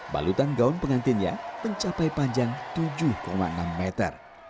balutan gaun pengantinnya mencapai panjang tujuh enam meter